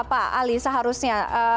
pak ali seharusnya